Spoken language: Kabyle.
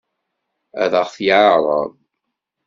Ad ɣ-t-yeɛṛeḍ?